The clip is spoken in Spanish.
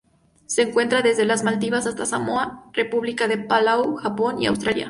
Se encuentra desde las Maldivas hasta Samoa, República de Palau, Japón y Australia.